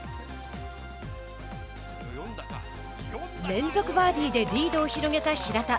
連続バーディーでリードを広げた平田。